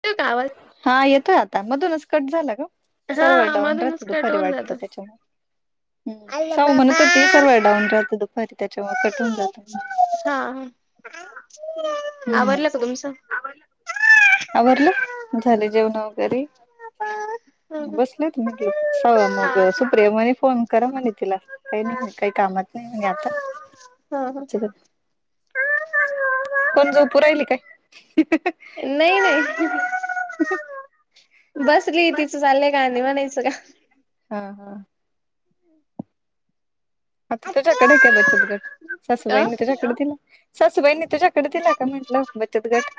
[unintelligible] हा येतोय आता मधूनच कट झाला ग सर्वर हा डाऊन मधूनच राहतो कट दुपारी होऊन वाटतं जातो. त्याच्या [inaudible] हम् साव म्हणत होती सर्वर डाऊन राहतं दुपारी त्याच्यामुळ कट हुन जात. हा. हम्म आवरल का तुमचं? आवरलं झाले जेवण वगैरे? हं हं बसलेत म्हटलं हा मग सुप्रिया म्हणे फोन करा म्हणे तिला. काय नाही काही कामात नाही म्हणे आता. हा हा. कोण झोपू राहिली काय? नाई नाई बसलीय तिचं चाललंय गाणी म्हणायचं. हा हा. आता तुझ्याकडं हाय का बचत गट का? सासूबाईंनी तुझ्याकडं दिला सासूबाईंनी तुझ्याक कडे दिला का म्हंटल, बचत गट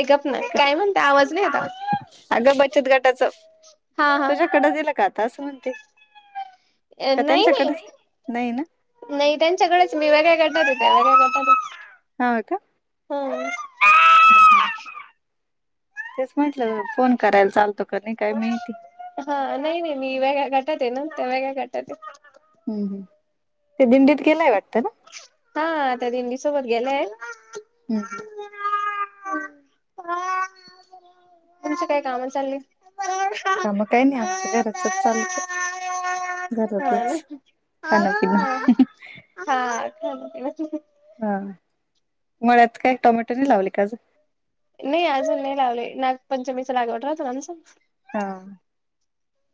ए गप्प ना, काय म्हणते आवाज नाही येता. अगं बचत गटाच, हा हा तुझ्याकडं दिला का आता असं म्हणते? का नाही, नाही. त्यांच्याकडेच नाही ना नाही त्यांच्याकडेच मी वेगळ्या गटात हाय वेगळ्या गटात हो. हा का! हम्म तेच म्हटलं फोन करायला चालतो का नाही काय माहिती. हा, नाही, नाही मी वेगळ्या गटात हाय ना त्या वेगळ्या गटात हाय. हम्म, हम् ते दिंडीत गेलाय वाटतं ना? हा, आता दिंडी सोबत गेलाय. हम् हम तुमच काय काम चालली? का मग काय नाही, आजचं हा रोजचच चालतं. घरातच खाणपिण हा, खाऊन पिऊन हा, मळ्यात काय टामॅटो नाही लावले का गं? नाही अजून नाही लावले, नागपंचमीचा लागवड राहत ना ते हा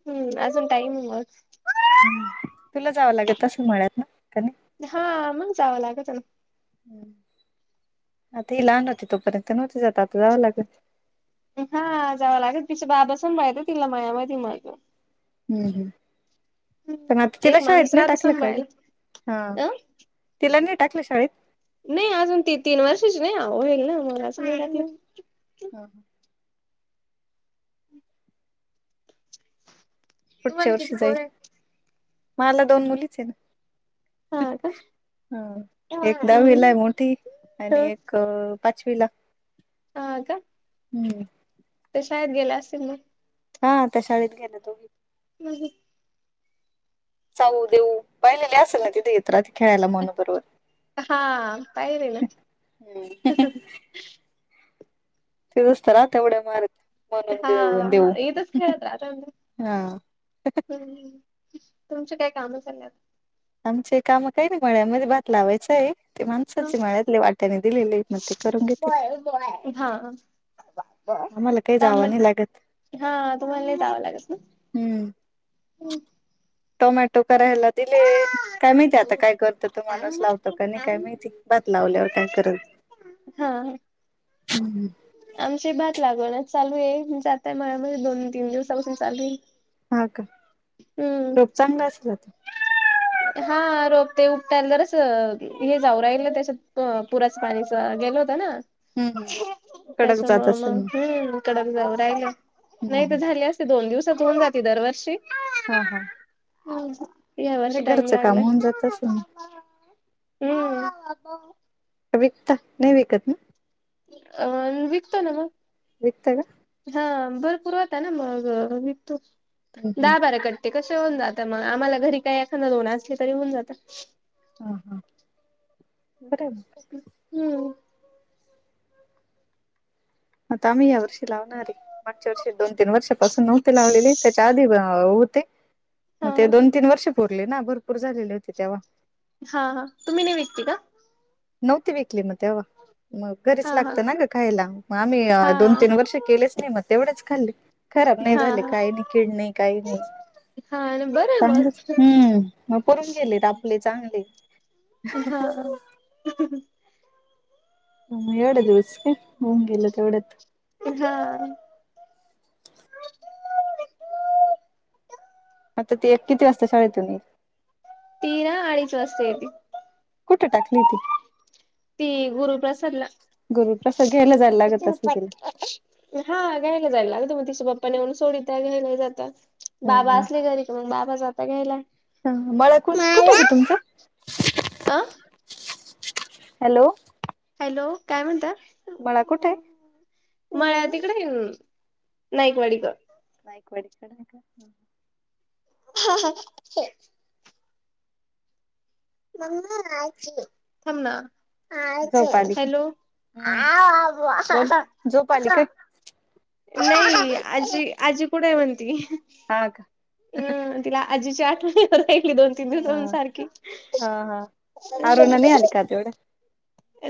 हम्म, अजून टाईम होयच तुला जावं लागत असेल मळ्यात? का नाही हा मग जावं लागत ना. हम, आता ही लहान होते तोपर्यंत नव्हती जात आता जावं लागतं हा जावं लागल तिच्या बाबा सांग पाठवू मळ्यामध्ये मध्ये तिला मग. हम् हम्म, आता तिला एक शाळेत माणूस नाही राहतो टाकलं का गं, सांभाळायला हा अ तिला नाही टाकलं शाळेत? नाही अजून ती तीन वर्षच नाहीव, होईल ना मला स हा पुढच्या तुम्हाला किती वर्षी जाईल, पोर आहेत? मला दोन मुलीच आहे ना हा का? ह, एक दाहावीला आहे मोठी, आणि एक अ, पाचवीला. ह, का हम्म ते शाळेत गेल्या असतील मग. हा, त्या शाळेत गेल्या दोघी. हम ह चाऊ, देऊ पाहिलेले असेल ना तिथेेत. रोज खेळायला म्हण बरोबर हा पाहिरे ना ती उस्तारा तेवढ मारत म्हणून हा, देऊ देऊ एथंच खेळत राहतात ना. हा हम्म तुमचे काय काम चालले आता. आमचे काम काही नाही, मळ्यामध्ये भात लावायचं आहे. ते माणसाचे मळ्यातले वाट्याने दिलेले आहेत ना ते करून घेते. हा आम्हाला काय जाव तांबट नाही लागत, हा तुम्हाला नाही हम्म हो टोमॅटो करायला दिले. काय माहिती आता, काय करत तो माणूस लावतो का नाही काय माहिती, भात लावल्यावर काय करल! हा हम् हम्म आमची भात लागवणच चालूय, जाता मळ्या मध्ये दोन तीन दिवसापासून चालूय. हा का, रोप चांगला असलात. हा रोपते उपटायला जरासं, हे जाऊ राहिल त्याच्यात पुराच पाणीच गेल होत ना हम्म हम्म कडक जात त्याच्यामुळ असेल मग, इकड जाऊ राहिलं हम्म नाही तर हम्म झाले अस दोन दिवसात होऊन जाते, दरवर्षी हा हा हं यावर्षी बरं टाईम घरचं काम लागला होऊन जात असेल, मग हम् अ विकतात, नाही विकत ना? अ विकतो ना मग. विकता का? हा भरपूर होता ना मग विकतो, हम्म हम्म दहा -बाराकर ते कसे होऊन जात मग आम्हाला घरी काही एखादा दोन असले तरी होऊन जात. हा हा, बरोबर हम्म. आता आम्ही यावर्षी लावणार हेय मागच्या वर्षी दोन- तीन वर्षापासून नव्हती लावलेली त्याच्या आधी होते. मग हा ते हा दोन तीन वर्ष पुरली ना भरपूर झालेली होती तेव्हा. हा, हा तुम्ही नाही विकते का? नव्हती विकली मग तेव्हा, मग घरीच हा हा लागत ना ग खायला आम्ही हा दोन- तीन वर्ष केलेच नाही मग तेवढेच खाल्ली. खराब नाही हा झाले हा. काही नाही, किड नाही, काही नाही हा ना बरं चांगलेच. मग हम्म मग करून गेले आपले चांगले. हा, ह ह, एवड दिवस काय, होऊन गेलं एवढ्यात हा आता ते एक किती वाजता शाळेतून् हेय ती ना अडीच वाजता येते कुठे टाकली ती? ती गुरुप्रसादला. गुरुप्रसाद घ्यायला जायला लागत असेल तिला हा घ्यायला, जायला लागत मग तिच्या बाप्पा नऊून सोडीत घ्यायला जात, बाबा असले घरी मग बाबा जाता घ्यायला. ह मला कोण कुठे गं तुमचं? अ हॅलो हॅलो, काय म्हणता? बाळा कुठंय? मळ्या तिकडेन नाईकवाडीक. नाईकवाडीकड? हा हा थांब ना. झोप आली की हॅलो. हम्म बोल झोप आली काय नाही, आजी, आजी कुठ आहे म्हणती. हा का अ तिला आजीची आठवण हो येऊ राहिली दोन. तिन हा जाऊन सारखी. हा हा अरुणा नाही आली का तेवढ्या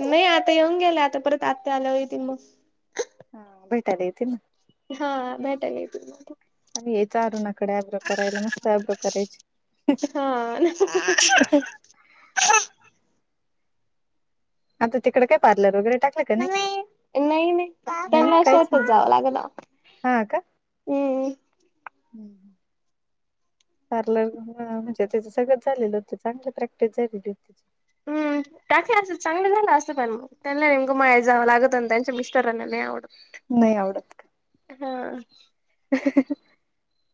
नाही आता येऊन गेले आता परत आत्या आल्यावर येतील मग. हा भेटायला येते ना. हा भेटायला येते मग आणि हेच आवरानात. कडे आभ्र करायला मस्त आब्रो करायची. हा आता तिकड काय पार्लर वगैरे टाकलं का नाही? नाही, नाही नाही त्यांना काहीच नाही. शेतच जावं लागलं ना. हम्म हम् पार्लर म्हणजे त्याच सगळं झालेलं होत चांगली प्रॅक्टिस झालेली होती. हम्म, काकी अस चांगलं झालं असं प मग ते निम्म मळ्यात जाव लागत त्यांंच्या मिस्टराना नाही आवडत नाही आवडत हा का?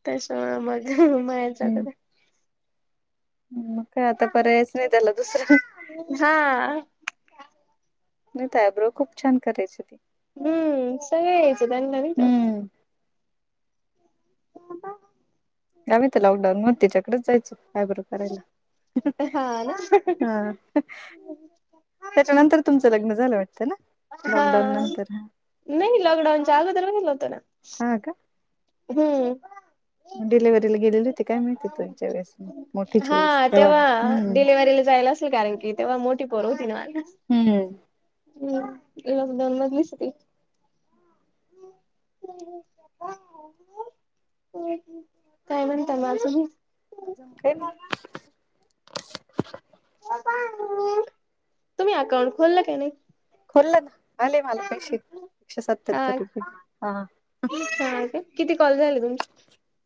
तस मग, मळ्यात जातं हम्म का? मग काय आता पर्यायच नाही त्याला दुसरा हा नाहीतर आब्रो खूप छान करायची ती. हम्म सगळ यायचं त्यांन नवीन काय? हम्म. [unintelligible] गावी तर लॉकडाऊन मग तिच्याकडेच जायचो अब्रो करायला. हा ना हा, त्याच्यानंतर तुमचं लग्न झालं वाटतं ना. हा, लॉकडाऊन नंतर हा नाही लॉकडाऊनच्या अगोदर झालं होत ना. हा हम्म डिलेव्हरीला गेलेली होती काय माहिती त्याचा वळेस हा तेव्हा डिलिवरीला जायला असेल कारण की तेव्हा मोठी पोर होती ना. हम्म हम्म लॉकडऊन मधलीच ती काय म्हणता, म अजून [unintelligible] तुम्ही अकाउंट खोललं काय नाही? खोललं का? आले मला पैशे एकशे सत्याहत्तर हा रुपय, हा हा का किती कॉल झाले तुमचे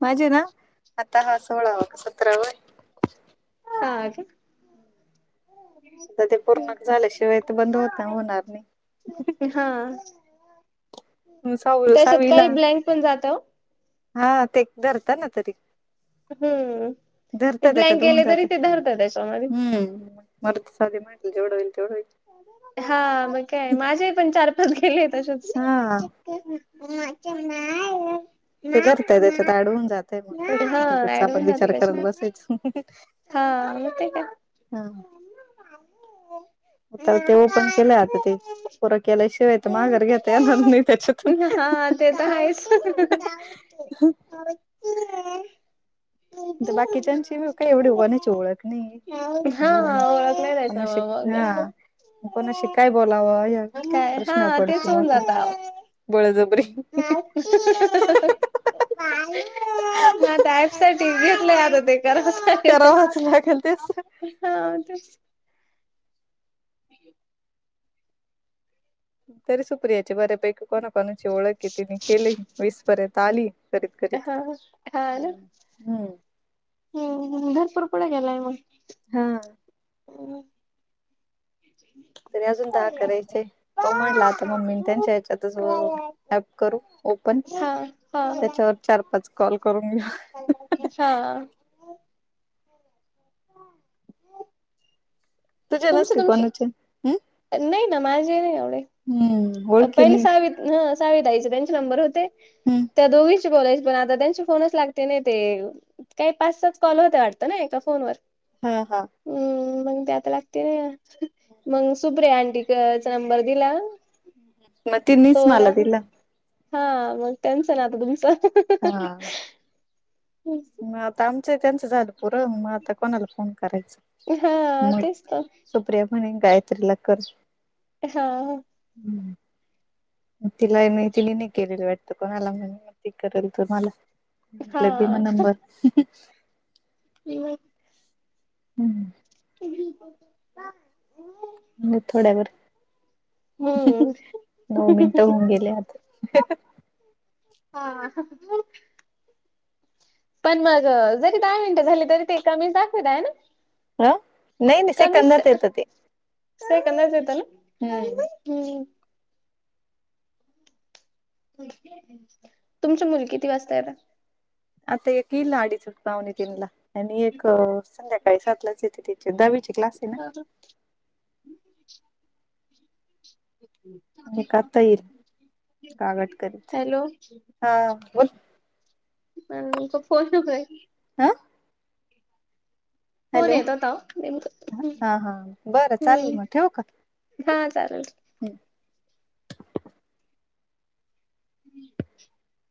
माझे ना, आता हा सोळावा- सतराव हाय हा काय? आ ते पूर्ण झाल्याशिवाय ते बंद होता होणार नाही हा, मग सहावी त्याच्यात सहावीला काही ब्लॅक पण होऊन जात हा, ते धरता ना कधी. हम्म. धरत, ते ब्लँक त्याच्यात होवून गेले जात. तरी ते धरतात त्याच्यामध्ये हम्म मरद साध म्हटलं जेवढ होईल तेवढं होईल. हा मग काय माझे पण चार- पाच गेले तसेच. हा [unintelligible] ते धरतय त्याच्यात ऍड होऊन जातय मग काय हा उगाच ऍड आपण होवून जात विचार करत त्यातन. बसायचं हा मग ठीक हाय. हा काय ते ओपन केलं आता ते. पोढ केलां शिवां येतं माघारं घेतां येणारं नाहीं त्यांच्या हा तुंन ते तरं आहेचं हम्मं बाकीच्यांची मी कांहीं एवढी होण्यांची ओळंख नाहीं हा आहे ओळख नाही कोनां शी त्याच्यामुळे हां कोनां शि कायं बोलावं मग काय प्रश्न हा पडंतो तेच मोठां बळंजब्री [unintelligible] मं त्यांपसांठी टीव्ही आणलंय आंता ते करावचं लागेल करावाच लागेल तेच तिथं आंत तीसं [unintelligible] तरी सुप्रियाची बंरे पैकी कोणां कोणांची ओळंख आहे तिने केली वीस पर्यंत आलीं हं हाॅल हम्मं भरंपूर पुढें गेलांय मंग हां हं [unintelligible] तरी अजूंन दहा करांयचे आहे पाहूं म्हटलं आंता मम्मी त्यांच्या यांयाच्यां तचं ॲप करूं ओपन हा हा त्यांच्यावर चार पांच कॉल करूंन घेऊं अच्छा अं तुझे तुमचं नसतील कोणाचे हम्म तुमचं नाहीं नां मांझे नाहीं हम्म एवढे पहिलें ओळखीने सहा हं सावी ताईचे त्यांचे नंबर होते हम्म त्यां दोघी बोलायचं पणं आंता त्यांचे फोनचं लागती नाहीं ते कांहीं पांच सात कॉल होतें वाटतं नां एकां फोनवरं हां हां हम्मं मंग त्यां आंत लागते नां मंग सुप्रीयां आंटीचा नंबर दिलां मं ते नीचं मलां दिलां हां मंग टेन्शन आंता तुमचं हां हम्मं हं आंता आमचं त्यांचं झालं पुंर मंग आंता कोणांला फोन करायंचा हा मं तेच तर सुप्रिया म्हंणे गायत्रीलाचं करं कशांव हं [unintelligible] तिलां तिने नाहीं केलेलं वाटतं कोणांला म्हंण मंग ते करेल तरं मलां लं ते हा. मं नंबर हम्मं [unintelligible] [unintelligible] म्हंजे थोड्यांवर हम्म नऊ मिनिटं होऊनं गेले आंत हां हां चिपकूंन पणं मंग जरी दहा मिनिटं झाली तरी ते एकां कमीचं दाखवंतय नां हं नाहीं नाहीं सेकंदांत येतं ते सेकंदाच येतं नां हम्मं हम्मं तुमची मुलं किती वाजता येतात. आता येतील अडीजक पावणे तीन ला आणि एक संध्याकाळी सात लाच येत ते चे दहावीचे क्लास येत [inaudible] ना एक आता येईल गागाट करीत हॅलो हा बोल मग तो फोन तो करा की आ फोन येत होता ओ नेमक हम् हा हा बरं हूं चालेल मग ठेवू का हा चालल [unintelligible]